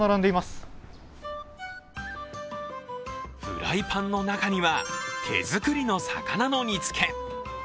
フライパンの中には手作りの魚の煮付け。